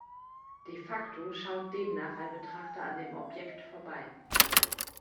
De facto schaut demnach ein Betrachter an dem Objekt vorbei.